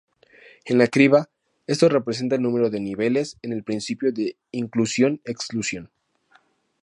En la criba esto representa el número de niveles en el principio de inclusión-exclusión.